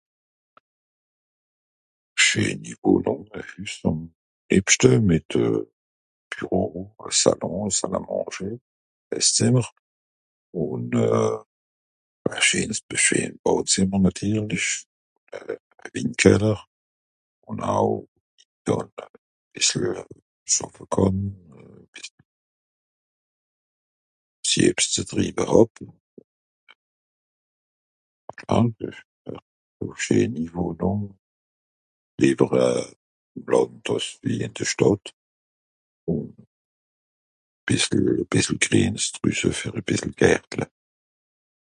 scheeni wohnùng ... ebschte mìt euh bureau salon salle à manger esszìmmer ùn euh à scheen à scheens bàdzìmmer nàtirlich à winkeller ùn aw ... schàffe kànn ass'i ebs zu triwe hàb ... scheeni wohnùng ìwer euh dàss de blien ìn de stàdt ùn bìssel green's drüsse fur à bìssel gärtle